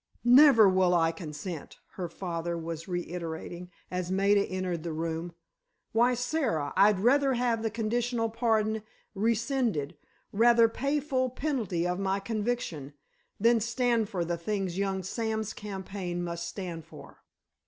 "Never will I consent," her father was reiterating, as Maida entered the room. "Why, Sara, I'd rather have the conditional pardon rescinded, rather pay full penalty of my conviction, than stand for the things young Sam's campaign must stand for!"